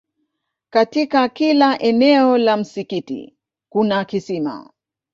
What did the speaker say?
katika kila eneo la msikiti kuna kisima